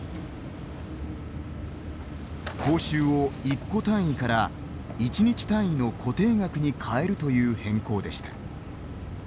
報酬を１個単位から１日単位の固定額に変えるという変更でした。